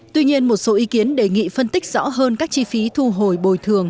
tuy nhiên một số ý kiến đề nghị phân tích rõ hơn các chi phí thu hồi bồi thường